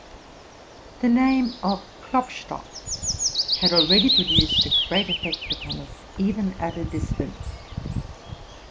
The name of Klopstock had already produced a great effect upon us, even at a distance.